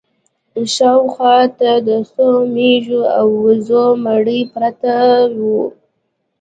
شا و خوا ته د څو مېږو او وزو مړي پراته وو.